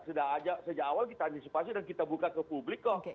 sejak awal kita antisipasi dan kita buka ke publik kok